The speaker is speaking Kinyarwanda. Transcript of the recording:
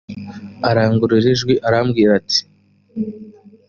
arangurura ijwi arabwira ati